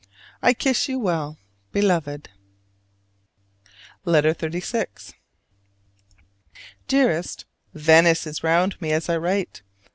I kiss you well, Beloved. LETTER XXXVI. Dearest: Venice is round me as I write!